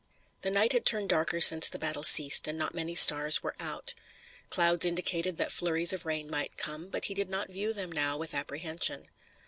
The night had turned darker since the battle ceased, and not many stars were out. Clouds indicated that flurries of rain might come, but he did not view them now with apprehension.